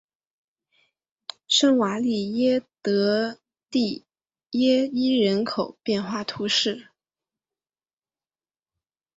圣瓦利耶德蒂耶伊人口变化图示